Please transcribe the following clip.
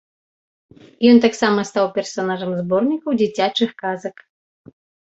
Ён таксама стаў персанажам зборнікаў дзіцячых казак.